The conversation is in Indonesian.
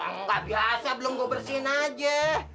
nggak biasa belum gue bersihin aja